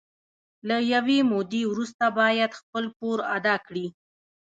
له یوې مودې وروسته باید خپل پور ادا کړي